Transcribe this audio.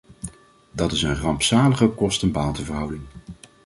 Dat is een rampzalige kosten-batenverhouding.